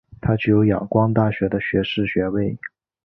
他具有仰光大学的学士学位。